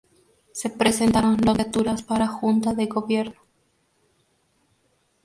Se presentaron dos candidaturas para Junta de Gobierno.